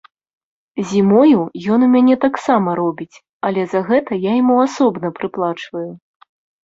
Зімою ён у мяне таксама робіць, але за гэта я яму асобна прыплачваю.